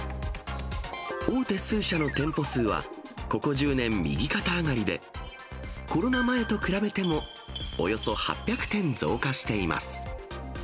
大手数社の店舗数は、ここ１０年、右肩上がりで、コロナ前と比べても、およそ８００店増加しています。